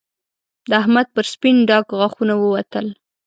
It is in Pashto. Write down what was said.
د احمد پر سپين ډاګ غاښونه ووتل